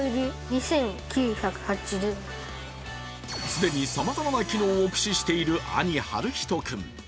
既にさまざまな機能を駆使している兄、晴仁君。